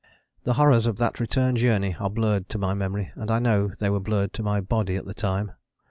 The horrors of that return journey are blurred to my memory and I know they were blurred to my body at the time.